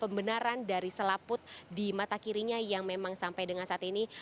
pembenaran dari selaput di mata kirinya yang memang sampai dengan saat ini